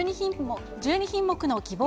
１２品目の希望